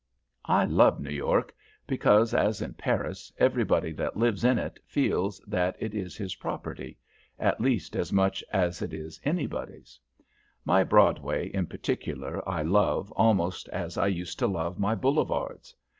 I love New York, because, as in Paris, everybody that lives in it feels that it is his property, at least, as much as it is anybody's. My Broadway, in particular, I love almost as I used to love my Boulevards.